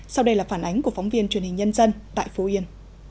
sau đây là phản ánh của phóng viên truyền hình nhân dân tại phú yên